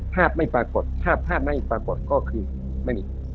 ภาพไม่ปรากฏภาพภาพไม่ปรากฏก็คือไม่มี